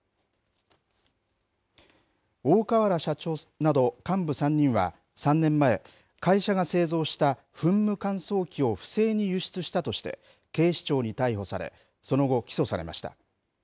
大川原社長など、幹部３人は３年前、会社が製造した噴霧乾燥器を不正に輸出したとして、警視庁に逮捕され、その後、起訴されました。